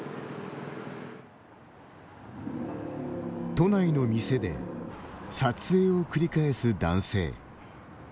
都内の店で撮影を繰り返す男性。